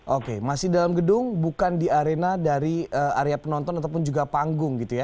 oke masih dalam gedung bukan di arena dari area penonton ataupun juga panggung gitu ya